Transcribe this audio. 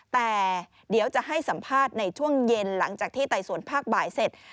แต่เดี๋ยวจะให้สัมภาษณ์ในช่วงเย็นหลังจากที่ไต่สวนภาคบ่ายเสร็จ